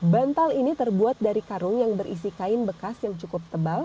bantal ini terbuat dari karung yang berisi kain bekas yang cukup tebal